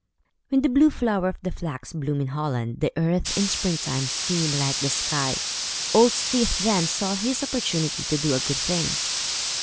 When the blue flower of the flax bloomed in Holland, the earth, in spring time, seemed like the sky. Old Styf then saw his opportunity to do a good thing.